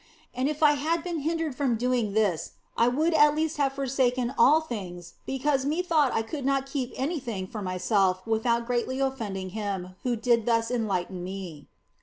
And if I had been hindered from doing this I would at least have forsaken io THE BLESSED ANGELA all things because methought I could not keep any thing for myself without greatly offending Him who did thus enlighten me.